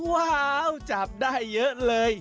ว้าวจับได้เยอะเลย